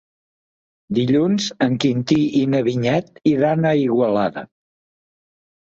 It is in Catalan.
Dilluns en Quintí i na Vinyet iran a Igualada.